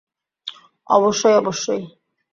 অবশ্যই, অবশ্যই।